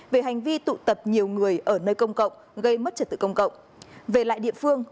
về hành vi tụ tập nhiều người ở nơi công cộng gây mất trật tự công cộng